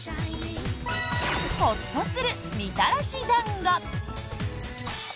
ホッとするみたらし団子。